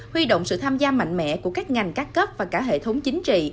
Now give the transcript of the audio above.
huy động sự tham gia mạnh mẽ của các ngành các cấp và cả hệ thống chính trị